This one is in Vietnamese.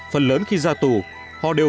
phần lớn khi ra tù họ đều